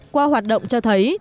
qua hoạt động cho thấy